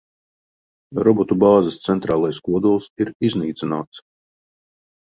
Robotu bāzes centrālais kodols ir iznīcināts.